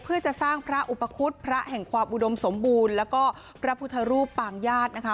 เพื่อจะสร้างพระอุปคุฎพระแห่งความอุดมสมบูรณ์แล้วก็พระพุทธรูปปางญาตินะคะ